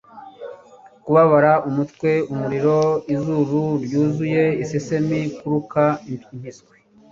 kubabara umutwe, umuriro, izuru ryuzuye, isesemi, kuruka, impiswi.